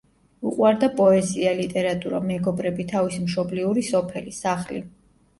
უყვარდა პოეზია, ლიტერატურა, მეგობრები, თავისი მშობლიური სოფელი, სახლი.